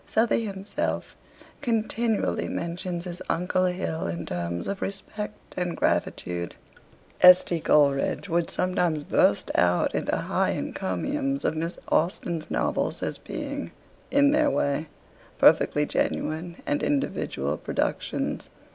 Southey himself continually mentions his uncle Hill in terms of respect and gratitude. S. T. Coleridge would sometimes burst out into high encomiums of Miss Austen's novels as being, 'in their way, perfectly genuine and individual productions.'